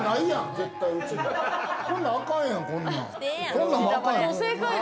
こんなんあかんやん。